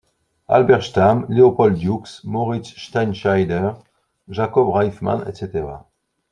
Halberstam, Leopold Dukes, Moritz Steinschneider, Jacob Reifmann etc.